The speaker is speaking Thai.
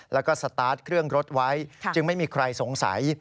แล้วก็สตาร์ทเครื่องรถไว้จึงไม่มีใครสงสัย